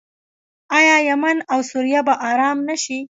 آیا یمن او سوریه به ارام نشي؟